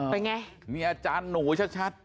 เป็นไงมีอาจารย์หนูชัด